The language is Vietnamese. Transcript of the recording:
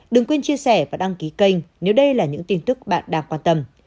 đừng quên chia sẻ và đăng ký kênh nếu đây là những tin tức bạn đang quan tâm